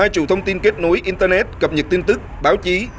hai chủ thông tin kết nối internet cập nhật tin tức báo chí